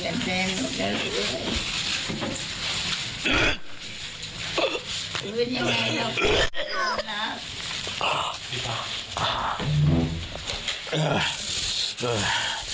สูตรยังไงครับ